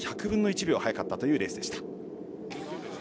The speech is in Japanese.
１００分の１秒速かったというレースでした。